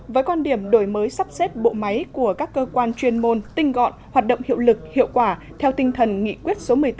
với quan điểm đổi mới sắp xếp bộ máy của các cơ quan chuyên môn tinh gọn hoạt động hiệu lực hiệu quả theo tinh thần nghị quyết số một mươi tám